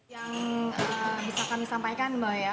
yang bisa kami sampaikan mbak ya